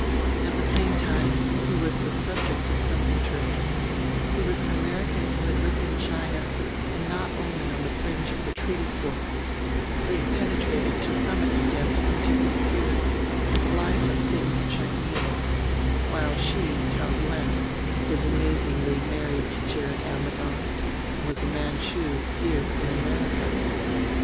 At the same time he was the subject of some interest: he was an American who had lived in China, and not only on the fringe of the treaty ports he had penetrated to some extent into the spirit, the life, of things Chinese; while she, Taou Yuen, was amazingly married to Gerrit Ammidon, was a Manchu here, in America.